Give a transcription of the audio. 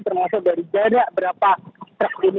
termasuk dari jarak berapa truk ini